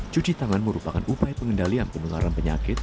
cuci tangan merupakan upaya pengendalian penularan penyakit